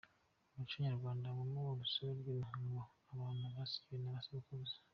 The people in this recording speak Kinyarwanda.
Mu muco Nyarwanda habamo urusobe rw’imihango abantu basigiwe na basekuruza.